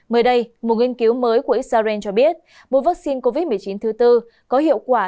mới đây một nghiên cứu mới của israel cho biết một vaccine covid một mươi chín thứ tư có hiệu quả